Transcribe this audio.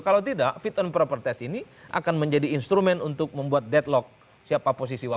kalau tidak fit and proper test ini akan menjadi instrumen untuk membuat deadlock siapa posisi wakil